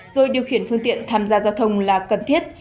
rồi điều khiển phương tiện tham gia giao thông là cần thiết